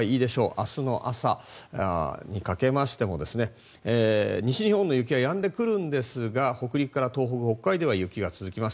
明日の朝にかけましても西日本の雪はやんでくるんですが北陸から東北、北海道は雪が続きます。